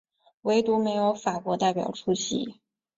惟独没有法国代表出席。